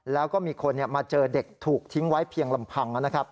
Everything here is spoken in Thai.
แล้วก็มีคนมาเจอเด็กถูกทิ้งไว้เพียงลำพัง